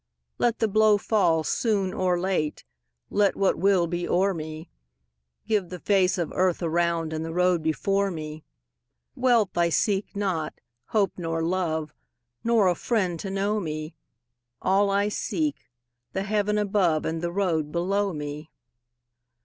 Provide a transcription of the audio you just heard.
Let the blow fall soon or late, Let what will be o'er me; Give the face of earth around And the road before me. Wealth I seek not, hope nor love, Nor a friend to know me; All I seek, the heaven above And the road below me.